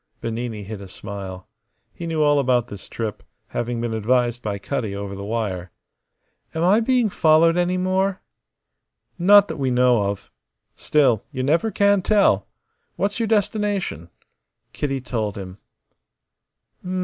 Bernini hid a smile. He knew all about this trip, having been advised by Cutty over the wire. "Am I being followed any more?" "Not that we know of. Still, you never can tell. What's your destination?" Kitty told him.